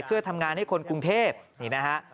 เพื่อทำงานให้คนกรุงเทพนี่นะฮะ